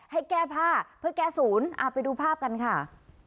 ให้แก้ผ้าเพื่อแก้ศูนย์ไปดูภาพกันค่ะ